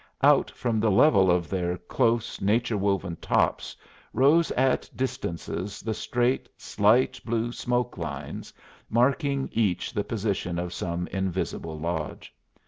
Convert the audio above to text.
Out from the level of their close, nature woven tops rose at distances the straight, slight blue smoke lines, marking each the position of some invisible lodge.